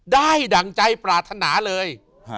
ดั่งใจปรารถนาเลย